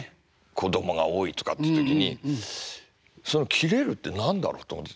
子供が多いとかっていう時にその「キレる」って何だろうと思ってて。